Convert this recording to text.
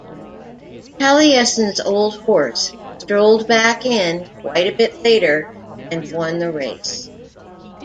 Taliesin's old horse strolled back in quite a bit later and won the race.